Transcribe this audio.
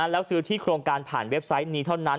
แล้วซื้อที่โครงการผ่านเว็บไซต์นี้เท่านั้น